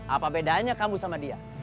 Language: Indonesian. apa bedanya kamu sama dia